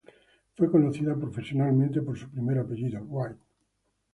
Fue conocida profesionalmente por su primer apellido, Wright.